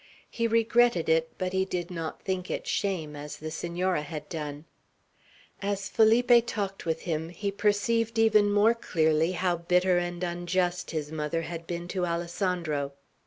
He regretted it, but he did not think it shame, as the Senora had done. As Felipe talked with him, he perceived even more clearly how bitter and unjust his mother had been to Alessandro.